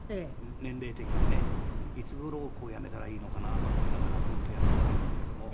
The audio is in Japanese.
年齢的にねいつ頃辞めたらいいのかなと思いながらずっとやってきたんですけども。